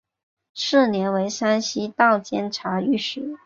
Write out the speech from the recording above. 次年为山西道监察御史。